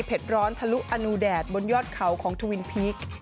เพชรร้อนธรุอนูแดดบนยอดเคราะห์ของทวินพิค